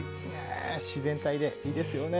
自然体でいいですよね。